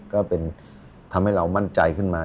ก็เป็นทำให้เรามั่นใจขึ้นมา